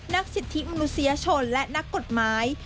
สิทธิมนุษยชนและนักกฎหมาย